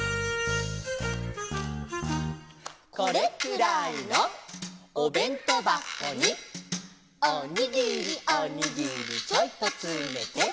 「これくらいのおべんとばこに」「おにぎりおにぎりちょいとつめて」